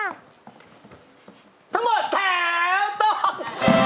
สมมติแถวต้อง